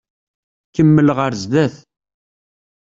Kemmel ɣer zdat.